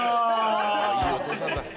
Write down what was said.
「いいお父さんだ」